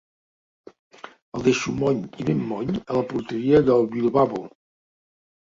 El deixo moll i ben moll, a la porteria del Bilbabo.